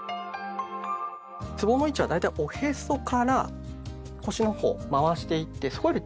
つぼの位置は大体おへそから腰のほう回していってそこよりちょっと上辺り。